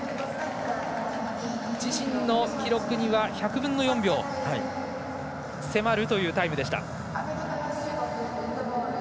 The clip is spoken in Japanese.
自身の記録には１００分の４秒迫るというタイムでした。